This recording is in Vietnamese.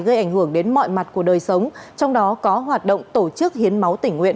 gây ảnh hưởng đến mọi mặt của đời sống trong đó có hoạt động tổ chức hiến máu tỉnh nguyện